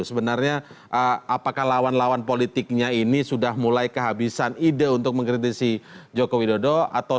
sebenarnya apakah lawan lawan politiknya ini sudah mulai kehabisan ide untuk mengkritisi joko widodo